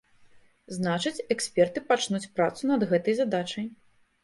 Значыць, эксперты пачнуць працу над гэтай задачай.